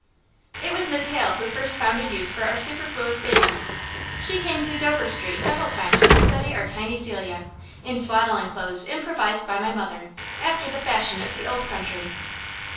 It was Miss Hale who first found a use for our superfluous baby. She came to Dover Street several times to study our tiny Celia, in swaddling clothes improvised by my mother, after the fashion of the old country.